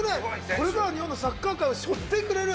これからの日本のサッカー界を背負っていくレベル！